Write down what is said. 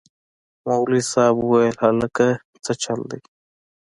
مولوي صاحب وويل هلکه سه چل دې.